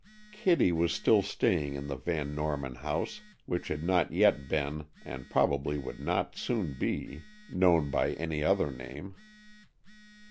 Kitty was still staying in the Van Norman house, which had not yet been, and probably would not soon be, known by any other name.